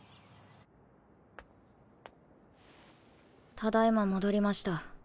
ただ今戻りました。